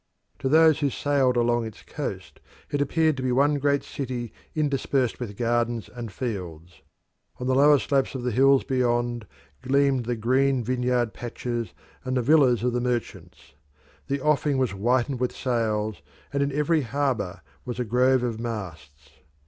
To those who sailed along its coast it appeared to be one great city interspersed with gardens and fields. On the lower slopes of the hills beyond gleamed the green vineyard patches and the villas of the merchants. The offing was whitened with sails, and in every harbour was a grove of masts.